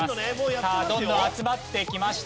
さあどんどん集まってきました。